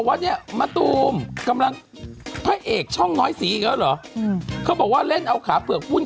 เมื่อกี้มาตู้มกำลังไปเอกช่องน้อยมีถึงหรอเขาบอกว่าเล่นเอาขาผิวพุ้น